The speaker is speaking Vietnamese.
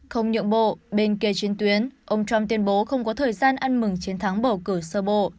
không nhượng bộ bên kia chiến tuyến ông trump tuyên bố không có thời gian ăn mừng chiến thắng bầu cử sơ bộ